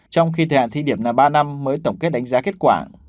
trong khi thời hạn thí điểm là ba năm mới tổng kết đánh giá kết quả